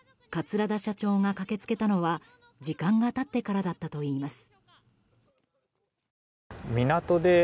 桂田社長が駆け付けたのは時間が経ってからだったといいます。